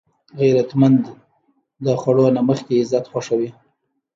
غیرتمند د خوړو نه مخکې عزت خوښوي